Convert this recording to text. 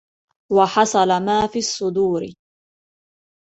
وحصل ما في الصدور